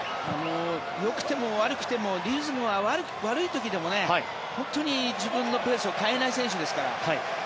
よくても悪くてもリズムが悪い時でも本当に自分のペースを変えない選手ですから。